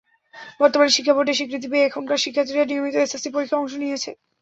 বর্তমানে শিক্ষা বোর্ডের স্বীকৃতি পেয়ে এখানকার শিক্ষার্থীরা নিয়মিত এসএসসি পরীক্ষায় অংশ নিয়েছে।